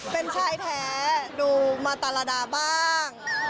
เป็นชายแท้ดูมาตาราดาบ้าง